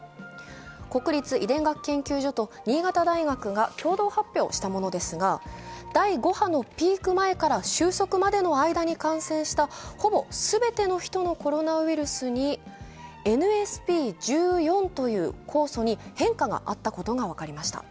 国立遺伝学研究所と新潟大学が共同発表したものですが、第５波のピーク前から収束までに感染したほぼ全ての人のコロナウイルスにｎｓｐ１４という酵素に変化があったことが分かりました。